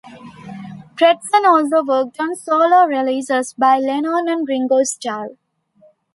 Preston also worked on solo releases by Lennon and Ringo Starr.